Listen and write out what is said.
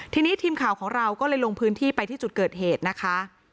ทีนี้ทีมข่าวของเราก็เลยลงพื้นที่ไปที่จุดเกิดเหตุนะคะ